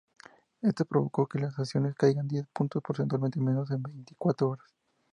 Esto provocó que las acciones caigan diez puntos porcentuales en menos de veinticuatro horas.